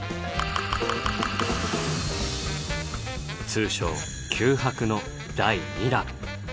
通称「九博」の第２弾。